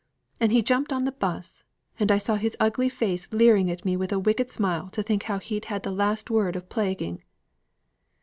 And he jumped on the bus, and I saw his ugly face leering at me with a wicked smile to think how he'd had the last word of plaguing."